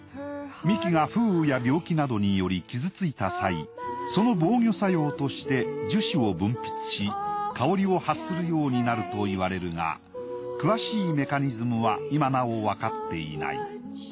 幹が風雨や病気などにより傷ついた際その防御作用として樹脂を分泌し香りを発するようになるといわれるが詳しいメカニズムは今なおわかっていない。